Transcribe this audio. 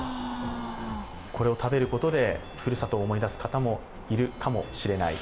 これを食べることでふるさとを思い出す方もいるかもしれない。